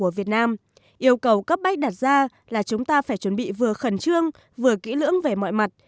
yêu cầu cấp bách đặt ra là chúng ta phải chuẩn bị vừa khẩn trương vừa kỹ lưỡng về mọi mặt